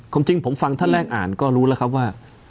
จริงผมฟังท่านแรกอ่านก็รู้แล้วครับว่า